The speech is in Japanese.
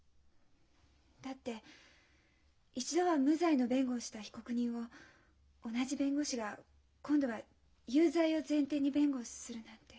だって一度は無罪の弁護をした被告人を同じ弁護士が今度は有罪を前提に弁護をするなんて。